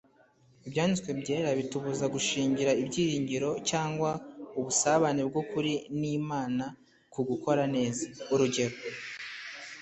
Ibyanditswe Byera bitubuza gushingira ibyiringiro cyangwa ubusabane bw'ukuri n'Imana ku gukora neza. Urugero,